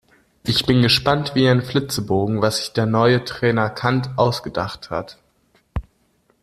Ich bin gespannt wie ein Flitzebogen, was sich der neue Trainer Kant ausgedacht hat.